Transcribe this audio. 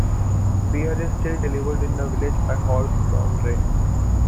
Beer is still delivered in the village by horse-drawn dray.